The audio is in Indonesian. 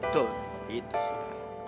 tuh itu sih